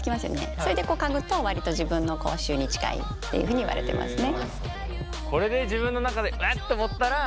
それで嗅ぐと割と自分の口臭に近いっていうふうに言われてますね。